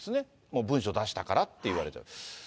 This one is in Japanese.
もう文書出したからって言われちゃう。